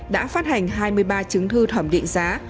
đã phát hành hai mươi ba triệu